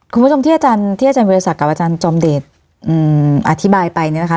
คุณผู้ชมที่อาจารย์วิทยาศักดิ์กับอาจารย์จอมเดชน์อธิบายไปนะคะ